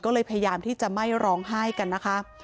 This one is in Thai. ก็เลยพยายามที่จะไม่ร้องไห้กันนะคะ